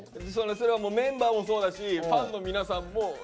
それはメンバーもそうだしファンの皆さんも。